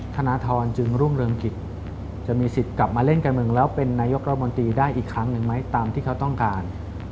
ธนทรจึงรุ่งเรืองกิจจะมีสิทธิ์กลับมาเล่นการเมืองแล้วเป็นนายกรัฐมนตรีได้อีกครั้งหนึ่งไหมตามที่เขาต้องการ